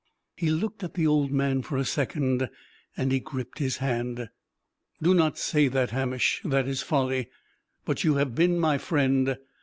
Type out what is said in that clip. He looked at the old man for a second, and he gripped his hand. "Do not say that, Hamish that is folly. But you have been my friend.